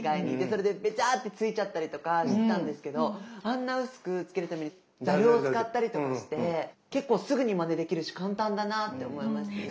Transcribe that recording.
それでベチャッてついちゃったりとかしてたんですけどあんな薄くつけるためにざるを使ったりとかして結構すぐにまねできるし簡単だなって思いましたね。